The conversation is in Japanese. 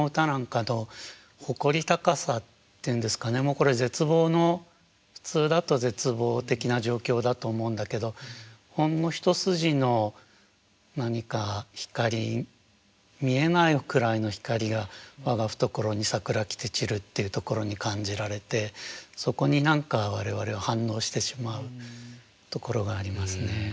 もうこれ絶望の普通だと絶望的な状況だと思うんだけどほんの一筋の何か光見えないくらいの光が「わがふところにさくら来てちる」っていうところに感じられてそこに何か我々は反応してしまうところがありますね。